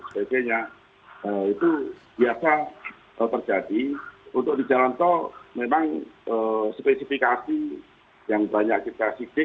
sesebenarnya kecelakaan harimau terjadi pada saat anders loy prank dan rasanya tidak itu jujur